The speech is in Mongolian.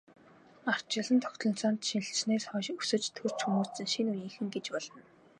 Ардчилсан тогтолцоонд шилжсэнээс хойш өсөж, төрж хүмүүжсэн шинэ үеийнхэн гэж болно.